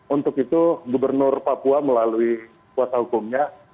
untuk itu gubernur papua melalui kuasa hukumnya